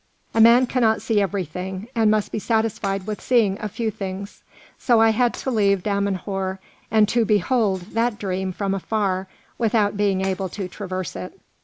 A man cannot see everything, and must be satisfied with seeing a few things. So I had to leave Damanhûr and to behold that dream from afar without being able to traverse it.